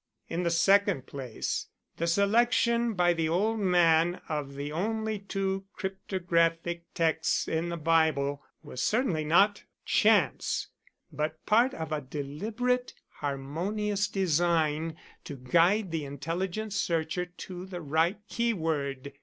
In the second place, the selection by the old man of the only two cryptographic texts in the Bible was certainly not chance, but part of a deliberate harmonious design to guide the intelligent searcher to the right keyword.